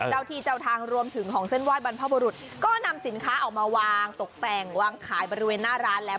เจ้าที่เจ้าทางรวมถึงของเส้นไห้บรรพบุรุษก็นำสินค้าออกมาวางตกแต่งวางขายบริเวณหน้าร้านแล้ว